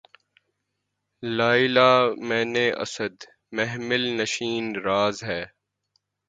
لیلیِ معنی اسد! محمل نشینِ راز ہے